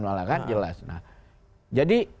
malah kan jelas nah jadi